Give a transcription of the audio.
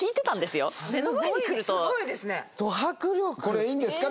これいいんですか？